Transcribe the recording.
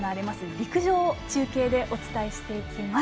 陸上を中継でお伝えします。